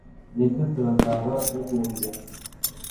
igihe cyose bazaba bagendera